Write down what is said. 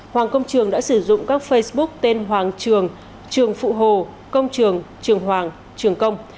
hoàng công trường đã sử dụng các facebook tên hoàng trường trường phụ hồ công trường trường hoàng trường công